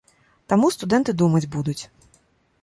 Таму студэнты думаць будуць.